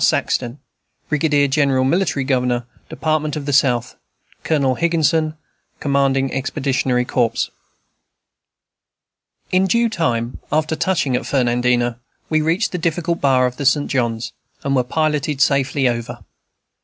SAXTON, Brig. Gen., Mil. Gov. Dept. of the South. Colonel Higginson, Comdg. Expeditionary Corps. In due time, after touching at Fernandina, we reached the difficult bar of the St. John's, and were piloted safely over.